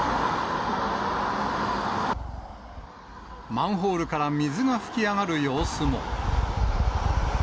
マンホールから水が噴き上がる様子も。